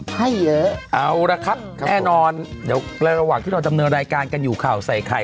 ให้เยอะเอาละครับแน่นอนเดี๋ยวระหว่างที่เราดำเนินรายการกันอยู่ข่าวใส่ไข่